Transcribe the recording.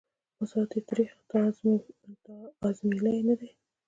ساعت یې تریخ » تا آزمېیلی نه دی